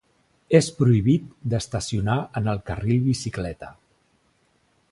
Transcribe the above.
És prohibit d'estacionar en el carril bicicleta.